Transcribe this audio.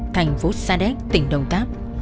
thành phố sa đéc tỉnh đồng táp